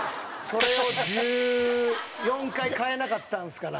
それを１４回変えなかったんですから。